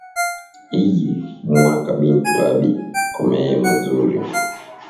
Iyi mwaka bintu abi komeye muzuri